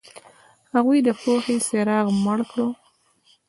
هغوی د پوهې څراغ مړ کړ.